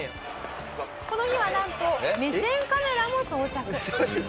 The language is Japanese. この日はなんと目線カメラも装着。